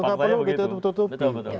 enggak perlu ditutup tutupi